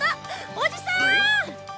おじさーん！